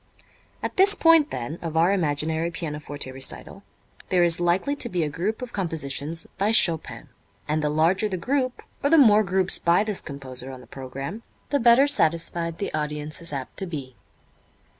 At this point, then, of our imaginary pianoforte recital there is likely to be a group of compositions by Chopin; and the larger the group, or the more groups by this composer on the program, the better satisfied the audience is apt to be.